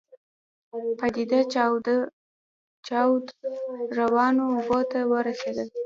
سپېده چاود روانو اوبو ته ورسېدل.